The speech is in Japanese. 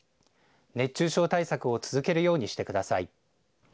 熱中症対策を続けるようにしてください。